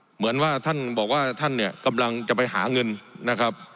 เหมือนว่าท่านบอกว่าท่านเนี่ยกำลังจะไปหาเงินนะครับ